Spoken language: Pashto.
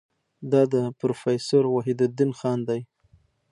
دا د پروفیسور وحیدالدین خان دی.